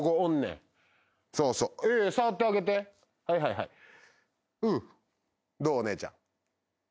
はいはいはい。